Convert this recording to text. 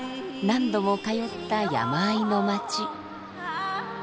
何度も通った山あいの町。